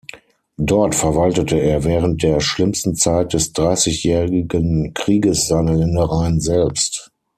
Dort verwaltete er während der schlimmsten Zeit des dreißigjährigen Krieges seine Ländereien selbst.